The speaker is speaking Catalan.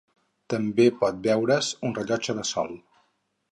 També pot veure's un rellotge de sol.